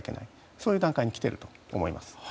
そういう段階に来ていると思います。